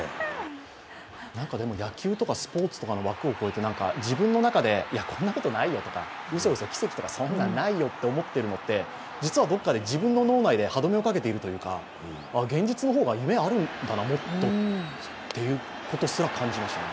でも、野球とかスポーツとかの枠を超えて自分の中でいやこんなことないよとか、うそうそ奇跡とかそんなのないよと思っているのって、実はどこかで自分の脳内で歯どめをかけているというか、現実の方が夢あるんだなもっとということすら感じました。